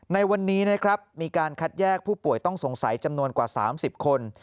ในวันนี้นะครับมีการคัดแยกผู้ป่วยต้องสงสัยจำนวนกว่า๓๐คน